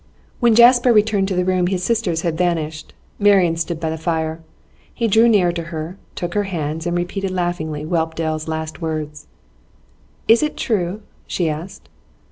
When Jasper returned to the room his sisters had vanished. Marian stood by the fire. He drew near to her, took her hands, and repeated laughingly Whelpdale's last words. 'Is it true?' she asked.